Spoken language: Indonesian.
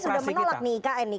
pak anies sudah menolak nih ikn nih